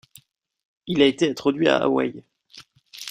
Il a été introduit à Hawaï.